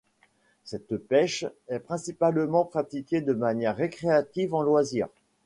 Cette pêche est principalement pratiquée de manière récréative, en loisir.